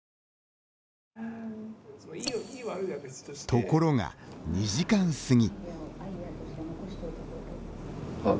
ところが、２時間すぎ。